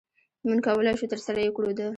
مونږ کولی شو ترسره يي کړو د